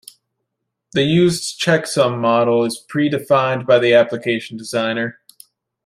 The used checksum model is pre-defined by the application designer.